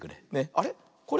あれ？